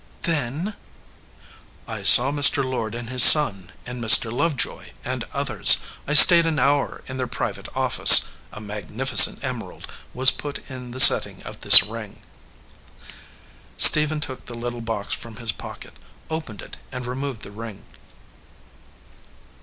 "Then ?" "I saw Mr. Lord and his son, and Mr. Lovejoy and others. I stayed an hour in their private of fice. A magnificent emerald was put in the setting of this ring." Stephen took the little box from his pocket, opened it, and removed the ring.